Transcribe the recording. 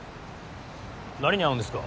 誰に会うんですか？